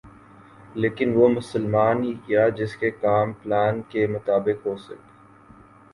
لیکن وہ مسلمان ہی کیا جس کے کام پلان کے مطابق ہوسک